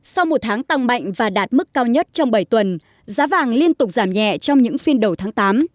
sau một tháng tăng mạnh và đạt mức cao nhất trong bảy tuần giá vàng liên tục giảm nhẹ trong những phiên đầu tháng tám